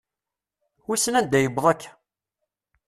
Wisen anda yewweḍ akka?